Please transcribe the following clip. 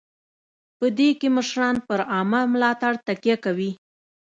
په دې کې مشران پر عامه ملاتړ تکیه کوي.